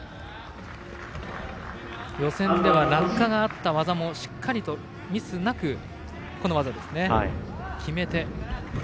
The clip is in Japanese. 予選では落下があった技もしっかりとミスなく決めて。